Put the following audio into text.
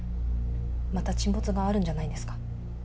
また沈没があるんじゃないですか？